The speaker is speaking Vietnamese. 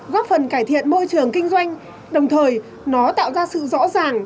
góp phần cải thiện môi trường kinh doanh đồng thời nó tạo ra sự rõ ràng